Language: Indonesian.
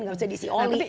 nggak mesti diisi oli